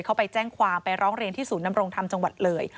เขาไปแจ้งความไปร้องเรียนที่ศูนย์นำรงธรรมจังหวัดเลย